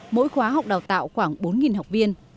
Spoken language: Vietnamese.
mỗi khóa học đào tạo khoảng bốn học viên